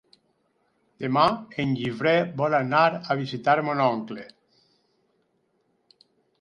Demà en Guifré vol anar a visitar mon oncle.